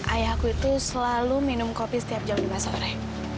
ayahku itu selalu minum kopi setiap jam lima sore